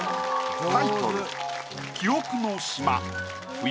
タイトル